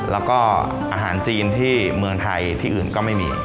แล้วก็อาหารจีนที่เมืองไทยที่อื่นก็ไม่มี